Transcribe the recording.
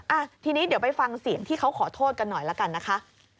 อ่ะทีนี้เดี๋ยวไปฟังเสียงที่เขาขอโทษกันหน่อยละกันนะคะ